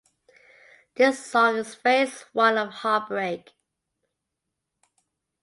This song is phase one of heartbreak.